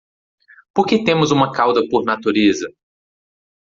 Por que temos uma cauda por natureza?